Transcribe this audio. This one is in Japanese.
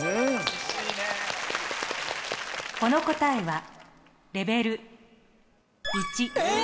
この答えはレベル１。えっ！？